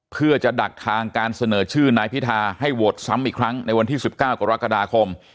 เพื่อจะดักทางการเสนอชื่อนายพิธาให้โหวตซ้ำอีกครั้งในวันที่๑๙กรกฎาคม